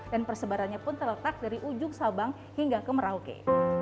dan persebarannya pun terletak dari ujung sabang hingga ke merauke